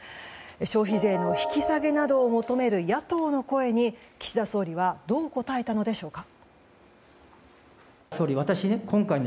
消費税の引き下げなどを求める野党の声に、岸田総理はどう答えたのでしょうか。